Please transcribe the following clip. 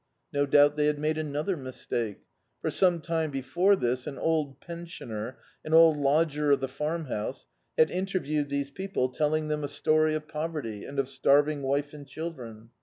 No doubt they had made another mistake. For, some time before this, an old pensioner, an old lodger of the Farmhouse, had interviewed these peo ple, telling them a story of poverty, and of starving wife and children.